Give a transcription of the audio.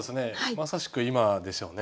まさしく今でしょうね。